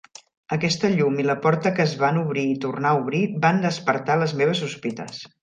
Aquesta llum i la porta que es van obrir i tornar a obrir van despertar les meves sospites.